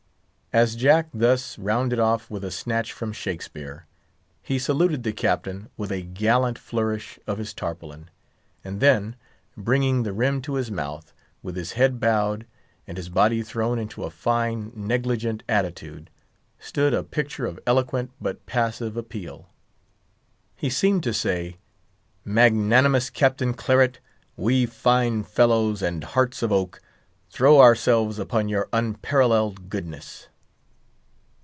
As Jack thus rounded off with a snatch from Shakspeare, he saluted the Captain with a gallant flourish of his tarpaulin, and then, bringing the rim to his mouth, with his head bowed, and his body thrown into a fine negligent attitude, stood a picture of eloquent but passive appeal. He seemed to say, Magnanimous Captain Claret, we fine fellows, and hearts of oak, throw ourselves upon your unparalleled goodness.